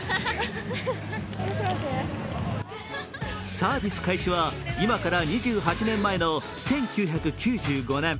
サービス開始は今から２８年前の１９９５年。